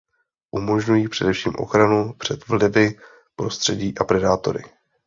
Umožňují především ochranu před vlivy prostředí a predátory.